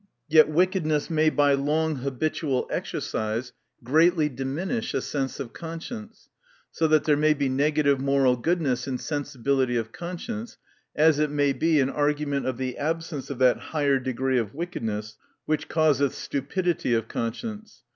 Yet wickedness may, by long habit ual exercise, greatly diminish a sense of conscience. So that there may be negative moral goodness, in sensibility of conscience, as it may be an argument of the absence of that higher degree of wickedness, which causeth stupidity of conscience.